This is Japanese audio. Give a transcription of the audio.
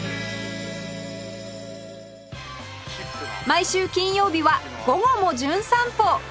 毎週金曜日は『午後もじゅん散歩』